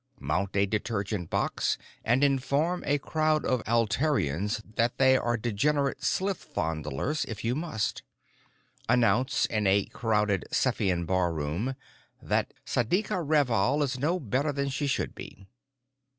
Mount a detergent box and inform a crowd of Altairians that they are degenerate slith fondlers if you must. Announce in a crowded Cephean bar room that Sadkia Revall is no better than she should be.